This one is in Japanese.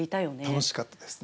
楽しかったですね。